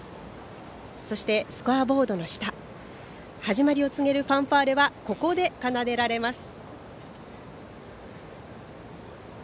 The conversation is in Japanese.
そして、スコアボードの下始まりを告げるファンファーレはここで奏でられます。